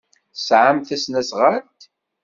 Tesɛamt tasnasɣalt?